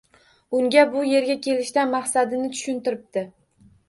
Unga bu yerga kelishdan maqsadini tushuntiribdi